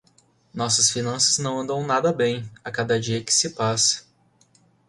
Nossas finanças não andam nada bem, a cada dia que se passa.